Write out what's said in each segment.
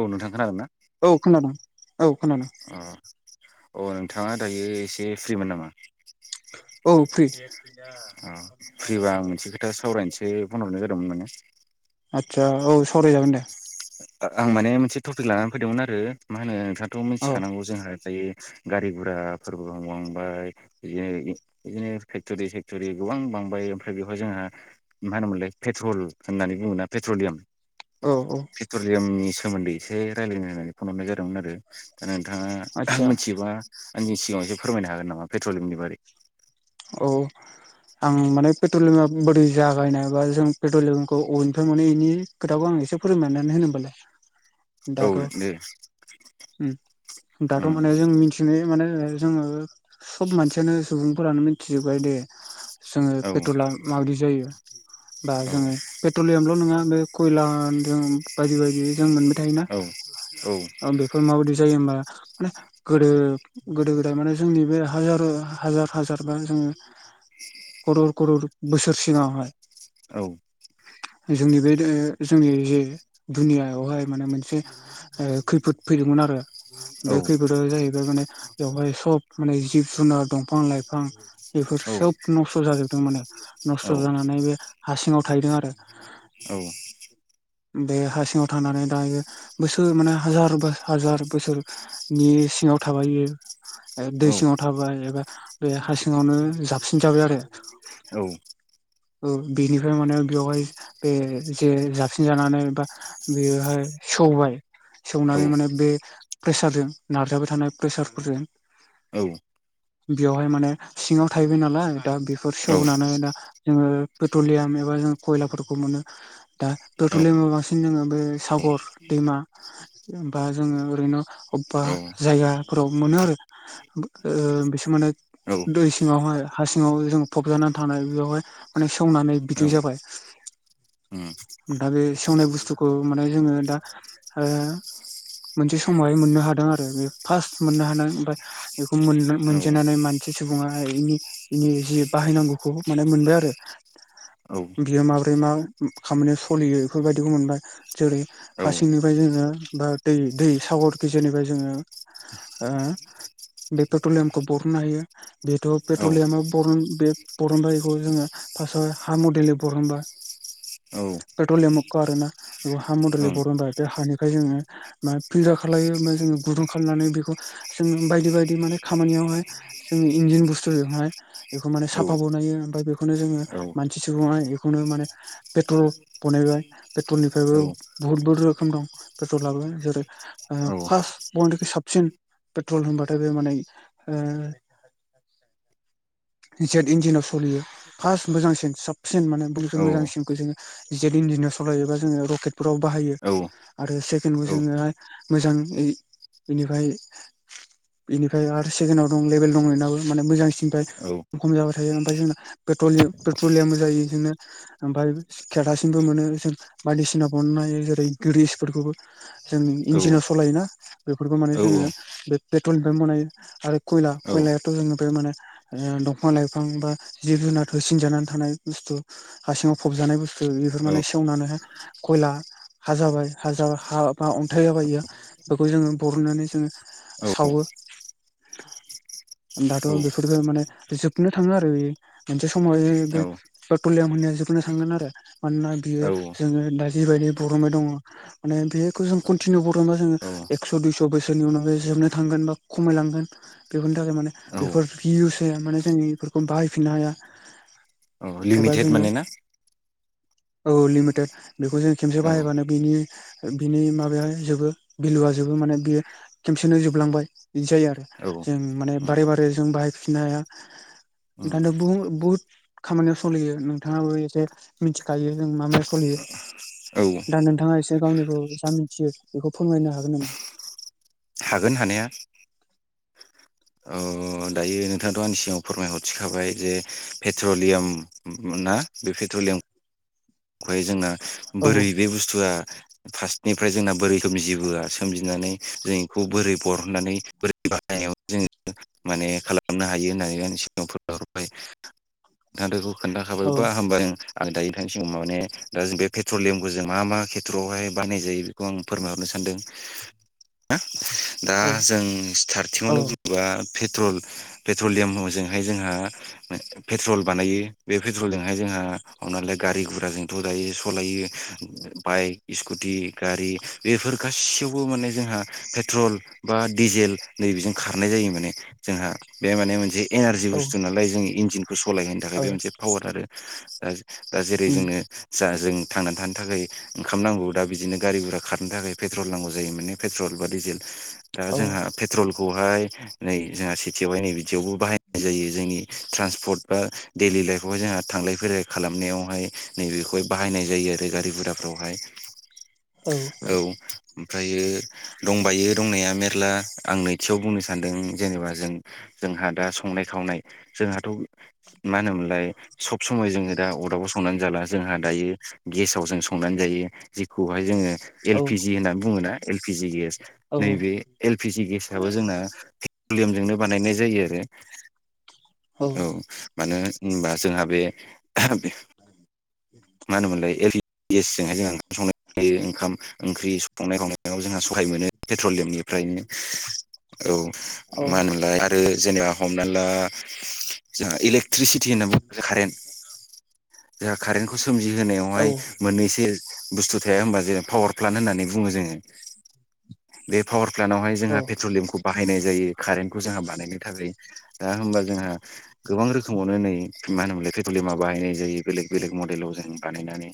औ नोंथां खोनादोंना? औ खोनादों औ खोनादों अ अ नोंथाङा दायो एसे फ्रिमोन नामा अ औ फ्रि फ्रिबा आं मोनसे खोथा सावरायनोसै बे फन हरनाय जादोंमोन माने आदसा औ सावराय जागोन दे आं माने मोनसे टपिक लानानै फैदोंमोन आरो मा होनो नोंथाङाथ' औ मोनथिखानांगौ जोंहा दायो गारि गुराफोरबो बांबाय बिदिनो बिदिनो फेक्टरि सेक्ट'रि गोबां बां बांबाय ओमफ्राय बेवहाय जोंहा मा होनोमोनलाय पेट्रल होननानै बुङोना पेट्रलियाम औ औ पेट्रलियामनि सोमोन्दै एसे रायलायनो होननानै फन हरनाय जादोंमोन आरो दा नोंथाङा आदसा मिथियोबा आंनि सिगाङाव एसे फोरमायनो हागोन नामा पेट्रलियमनि बारै औ आं माने पेट्रलिमा बोरै जागायनाय बा जों पेट्रलियमखौ अबेनिफ्राय मोनो इनि खोथाखौ आं इसे फोरमायनानै होनो ओमोबालाय [inaudible] दाथ' दे दाथ' उम माने जों मिथिनाय माने जोङो सब मानसियानो सुबुंफोरानो मि जोबबाय दे जोङो औ पेट्रला माबायदि जायो [inaudible] बा जोङो पेट्रलियामल' नोङा बे कयला जों बायदि बायदि जों मोनबाय थायोना औ बेफोर माबायदि जायो होमबा माने गोदो गोदो गोदाय माने जोंनि बे हाजार हाजार हाजारबा जोङो करर करर बोसोर सिगाङावहाय जोंनि बे जोंनि जे दुनियायावहाय माने मोनसे खैफोद फैदोंमोन आरो बे खैफोदा जाहैबाय माने बेवहाय सब माने जिब-जुनार, दंफां-लाइफां बेफोर सोब नस्थ' जाजोबदों माने नस्थ' जानानै बे हासिङाव थाहैदों आरो औ बे हा सिङाव थानानै दायो बोसोर माने हाजार हाजार बोसोरनि सिङाव थाबाय इयो दै सिङाव थाबाय एबा हा सिं सिङावनो जाबसिन जाबाय आरो। औ बेनिफ्राय माने बेवहाय बे जे जाबसिन जानानै बा बेयोहाय सौबाय सौनानै माने बे प्रेसारजों नारजाबाय थानाय प्रेसारफोरजों बियावहाय माने सिङाव थाहैबाय नालाय दा बेफोर सेवनानै दा जोङो पेट्रलियाम एबा जों कयलाफोरखौ मोनो दा पेट्रलियामाव बांसिन जोङो बे सागर दैमा बा जोङो ओरैनो अबेबा जायगाफोराव मोनो आरो ओ बिसोर माने दै सिङावहाय हा सिङाव जों फबजानानै थानाय बेयावहाय माने सौनानै बिदि जाबाय। [inaudible] दा बे सेवनाय बुस्थुखौ माने जोङो दा ओ मोनसे समावहाय मोननो हादों आरो बे फार्स्ट मोननो हादों ओमफ्राय बेखौ मोनजेनानै मान सि सुबुङा बिनि जि बाहायनांगौखौ माने मोनबाय आरो। बियो माबोरै मा खामानियाव सोलियो बेफोरबायदिखौ मोनबाय जेरै हासिंनिफ्राय जोङो बा दै दै सागरखो जेनेबा जोङो ओ पेट्रलियामखौ बरननो हायो। बेथ पेट्रलियामा बरन बे बरनबाय बेखौ जोङो फार्स्टआव हा मडेलै बरनबाय। औ पेट्रलियामखौ आरोना बे हा मदेलै बरनबाय बे हानिफ्राय जोङो मा फिल्टार खालामलायो जोङो गुदुं खालामनानै बेखौ जोङो बायदि बायदि माने खामानियावहाय जोङो इन्जिन बुस्थु बेखौहाय बेखौ माने साफा बनायो ओमफ्राय बेखौनो जोङो मानसि सुबुङा बेखौनो माने पेट्रल बानायबाय पेट्रलनिफ्रायबो बुहुत बहुत रोखोम दं पेट्रल लाबोबाय जेरै फार्स्ट बयनिख्रुइबो साबसिन पेट्रल होनबाथाय बे माने ओ [inaudible] जेट इन्जिनाव सलियो फार्स्ट मोजांसिन साबसिन माने बयनिख्रुइ मोजांसिनखौ जोङो जेट इन्जिनाव सलायो बा जोङो रकेटफोराव बाहायो आरो सेकेणखौ जोङो मोजाङै बेनिफ्राय बेनिफ्राय आरो सेकेणडआव दं लेभेल दंनायनाबो माने मोजांसिननिफ्राय खम जाबाय थायो ओमफ्राय जोंना पेट्रलि-पेट्रलियामबो जायो जोंनो ओमफाय खेरासिनबो मोनो जों बायदिसिना बानायो जेरै गदिसफोरखौबो जोंनि इन्जिनाव सालायोना बेफोरखौ माने जोङो बे पेट्रलनिफ्रायनो बानायो आरो खयला खयलायाथ जोङो बे माने दंफां लाइफां बा जिब जुनाद होसिनजानानै थानाय बुस्थु हा सिङाव फबजानाय बुस्थु बेफोर माने सेवनानैहाय खयला हा जाबाय हाज हा बा अन्थाइ जाबाय इयो बेखौ जोङो बरननानै जोङो सावो [inaudible] दाथ बेफोरफोरखौ माने जोबनो थाङो आरो बे मोनसे समाव बे पेट्रलियाम जोबनो थांगोन आरो मानोना बियो जोङो दा जिबायदि बरनबाय दङ माने बेखौ जों कनतिनिउ बरनबा जोङो एकस' दुइस' बोसोरनि उनाव जोबनो थांगोन बा खमायलांगोन बेफोरनि थाखाय माने बेफोर इउस होया माने जों बेफोरखौ बाहायफिननो हाया। औ एबा लिमिटेड जोङो माने ना? औ लिमिटेड बेखौ जों खेबसे औ बाहायबानो बिनि बिनि माबाया जोबो बिल जोबो माने बेयो खेमसेनो जोबलांबाय बिदि जायो आरो औ औ जों माने बारे बारे जों बाहायफिननो हाया। [unintelligible] बुहुत खामानियाव सलियो नोंथाङाबो एसे मिथिखायो जों मा मायाव सलियो [inaudible] दा नोंथाङा एसे गावनिखौ मिथियो बेखौ फोरमायनो हागोन नामा? हागोन हानाया। औ दायो नोंथाङथ आंनि सिगाङाव फोरमायहरसिखाबाय जे पेट्रलियाम ना बे पेट्रलियाम खौहाय जोंना औ बोरै बे बुस्थुआ फार्स्टनिफ्राय जोंना बोरै सोमजिबोआ सोमजिनानै जों इखौ बोरै बरहननानै बोरै बानायाव जोङो माने खालामनो हायो होननानै आ सिगांफोराय औ खोन्थाखाबायबा हामबा आरो दायो नोंथांनि सिगाव माने दा जों बे पेट्रलियामखौ जों मा मा खेथ्रआवहाय बानाय जायो बेखौ आं फोरमायहरनो सानो सनदों दा औ जों स्टारटिंआवनो बुङोबा पेट्रल पेट्रलियामजोंहाय जोंहा पेट्रल बानायो बे पेट्रलजोंहाय जोंहा हनालाय गारि गुरा जोंथ दायो सालायो बाइक स्कुटि गारि बेफोर गाससियावबो माने जोंहा पेट्रल बा डिजेल नैबेजों खारनाय जायो माने जोंहा बे माने जे एनारजि औ ओ बुस्थु नालाय जों इन्जिनखौ सालायहैनो थाखाय बे मोनसे पावार आरो दा दा जेरै उम जोङो जा जों थांनानै थानो थाखाय ओंखाम नांगौ दा बिदिनो गारि गुरा खारनो थाखाय पेट्रल नांगौ जायो माने पेट्रल बा डि दिजेल दा औ जोंहा पेट्रलखौहाय नै जोंहा सिटिवाव हाय नै बिदियावबो बाहायनाय जायो जोंनि ट्रान्सपर्ट बा डेइलि लाइफआवहाय जोंहा थांलाय फै खालामनायावहाय नैबेखौहाय बाहायनाय जायो आरो गारि गुराफ्रावहाय औ ओमफ्रायो दंबायो दंनाया मेरला आं नैथियाव बुंनो सान्दों जेनेबा जों जोंहा दा संनाय खावनाय जोंहाथ' मा होनोमोनलाय सब समाय जोङो दारदाबाव संनानै जाला जोंहा दायो गेसाव जों संनानै जायो जेखौहाय जोङो एल औ पि जि होननानै बुङो ना एल पि जि गेस नैबे औ एल पिजि गेस आबो जोंना पेट्रलियामजोंनो बानायनाय जायो आरो। औ मानो होनबा जोंहा बे मा होनोमोनलाय एल पिजि गेसजोंहाय जोंहा ओंखाम संनाय जायो ओंखाम ओंख्रि सं संनाय खावनायाव जोंहा सहाय मोनो पेट्रलियामनिफ्रायनो औ मा होनोमोनलाय आरो जेनेबा हमना ला जोंहा इलेक्ट्रिसिटि होनना बुङोबो कारेन्ट जोंहा कारेन्टखौ सोमजिहोनायावहाय मोननैसो बुस्थु थाया होनबा जेन पावार प्लान्ट होननानै बुङो जोङो। बे पावार प्लान्टआवहाय जोंहा पेट्रलियामखौ बाहायनाय जायो कारेन्टखौ जोंहा बानायनो थाखाय दा होमबा जोंहा गोबां रोखोमावनो नै मा होनोमलाय पे ट्रलिमा बाहायनाय जायो बेलेग बेलेग मडेलाव जों बानायनानै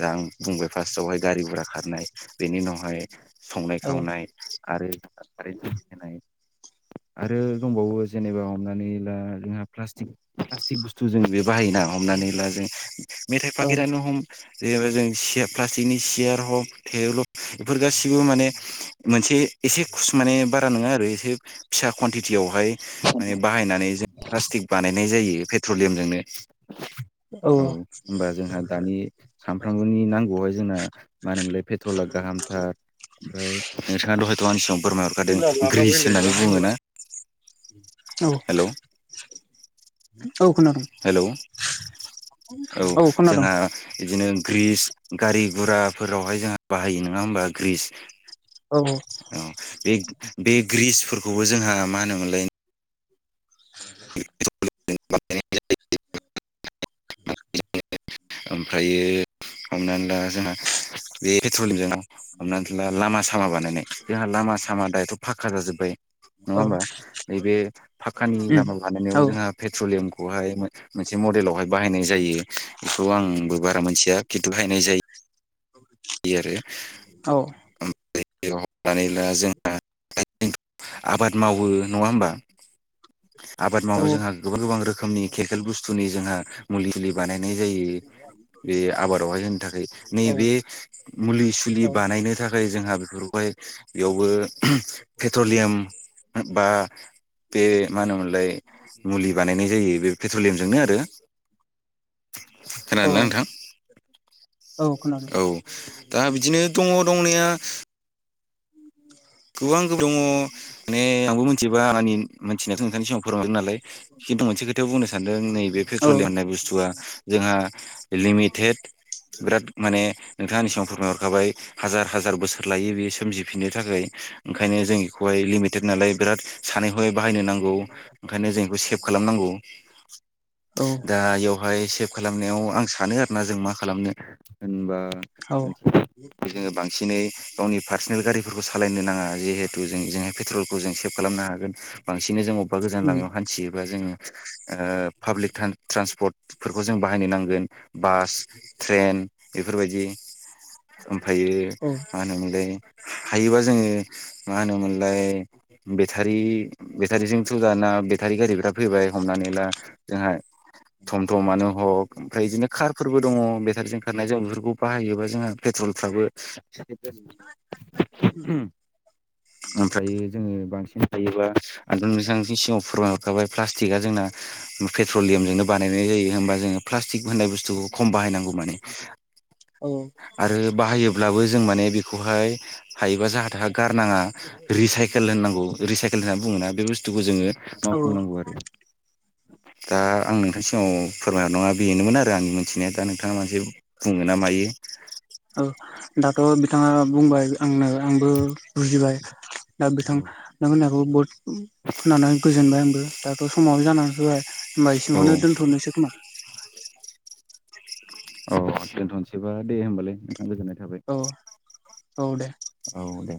दा आं बुंबाय फार्स्टआवहाय गारि गुरा खारनाय बेनि उनावहाय संनाय खावनाय आरो कारन्ट होनाय आरो दंबावो जेनेबा हमनानै ला जोंहा प्लाष्टिक प्लाष्टिक बुस्थु जों जे बाहायोना हमनानै ला जों मेथाइ औ फाखेरानो हम जेनेबा जों प्लासिगनि सेयार हक थेबोल' बेफोर गासिबो माने मोनसे एसे खुस माने बारा नङा आरो एसे फिसा कुवानटिटियावहाय माने बाहायनानै जों प्लास्टिक बानायनाय जायो पेट्रलियामजोंनो औ होमबा जोंहा दानि सामफ्रामबोनि नांगौआवहाय जोंना मानो होनोमोनलाय पेट्रला गाहामथार ओमफ्राय नोंथाङा हयथ' आंनि सिगाङाव बरनाय हरखादों ग्रिस होननानै [inaudible] बुङोना औ औ खोनादों हेल' औ जोंहा बिदिनो ग्रिस गारि गुराफोरावहाय जोंहा बाहायो नङा होमबा ग्रिस। औ औ बे बे ग्रिसफोरखौ खौबो जोंहा मा होनोमोनलाय [inaudible] [inaudible] ओमफ्रायो हमनानै ला जोंहा बे पेट्रलिमजों हमनानैला लामा सामा बानायनाय जोंहा लामा सामा दायोथ' फाखा जाजोब्बाय नङा औ होमबा नैबे फाखानि उम लामा लानायनायाव औ जोंहा पेट्रलियाम खौहाय मोनसे मडेलावहाय बाहायनाय जायो बेखौ आंबो बाह रा मोनथिया खिनथु बायनाय जायो। यो आरो औ [inaudible] नानै ला जोंहा [inaudible] आबाद मावो नङा होमबा आबाद औ मावनायाव जोंहा गोबां गोबां रोखोमनि केरमेकेल बुस्थुनि जोंहा मुलिुलि बानाय जायो बे आबादावहाय जोंनि थाखाय नैबे मुलि सुलि औ बानायनो थाखाय जोंहा बेफोरखौहाय बेयावबो पेट्रलियाम बा बे मा होनोमोनलाय मुलि बानायनाय जायो बे पेट्रलियामजोंनो आरो खोनादोंना औ नोंथां औ खोनादों औ दा बिदिनो दङ दंनाया गोबां गो दङ माने आंबो मिथिजोबा आंनि मानसिनाथ' नोंथांनि सिगाङाव फोरोंरोन नालाय खिनथु मोनसे खोथायाव बुंनो सानदों नैबे औ पेट्रलियाम होननाय बुसथुया जोंहा लिमिटेड बिराद माने नोंथांनि सिगाव फोरमायहरखाबाय हाजार हाजार बोसोर लायो बेयो सोमजिफिननो थाखाय ओंखायनो जों बेखौहाय लिमिटेड नालाय बिराद सानै हनै बायनोनांगौ ओंखायनो जों बेखौ सेभ खालाम दा औ बेयावहाय खालामनायाव आं सानो आरोना जों मा खालामनो होनबा औ जोङो बांसिनै गावनि पार्सनेल गारिफोरखौ स खालामालायनो नाङा जिहेथु जों जोंहाय पेट्रलखौ जों सेभ खालामनो हागोन बांसिन जों अबेबा गोजान उम लामायाव हानथियो बा जोंङो ओ पाब्लिक ट्रान्सपर्ट फोरखौ जों बाहायनो नांगोन बास ट्रेन बेफोरबायदि ओमफ्रायो मा होनोमोनलाय हायोबा जोङो मा होनोमोनलाय लाय‌ बेथारि बेतारिजोंथ' दाना बेतारि गारिफोरा फैबाय हमनानै ला जोंहा थम थमानो हक ओमफ्राय बिदिनो खारफोरबो दङ बेटारिजों खारनाय जों बेफोरखौ बाहायोबा जोंहा पेट्रलफ्राबो ओमफ्रायो जोङो बांसि बांन थायोबा आ बेसे सिगाङाव फोरमायहरखाबाय प्लास्टिकआ जोंना पेट्रलियामजोंनो बानायनाय जायो होमबा जोङो प्लास्टिक होननाय बुसथुखौ खम बाहायनांगौ माने औ आरो बाहायोब्लाबो जों माने बेखौहाय हायोबा जाहा थाहा गारनाङा रिसाइकेल होननांगौ रिसाइकेल होनना बुङोना बे बुसथुखौ जोङो औ औ बुंनांगौ आरो दा आं नोंथांनि सिगाव फोरमायनो नङा बेनोमोन आरो आंनि मोनथिनाया दा नोंथाङा मानसे बुङोना मायो [unintelligible] औ दाथ' बिथाङा बुंबाय आंनो आंबो बुजिबाय दा बिथां नों होननायखौ बहुद खोनानानै गोजोनबाय आंबो दाथ' समाव जानानै फैबाय होमबा औ सिङावनो दोनथ'नोसै खोमा औ दोनथ'नोसैबा दे होनबालाय आं गोजोननाय थाबाय औ औ दे औ दे